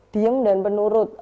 diem dan penurut